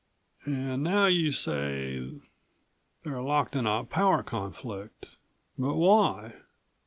"And now you say they're locked in a power conflict. But why?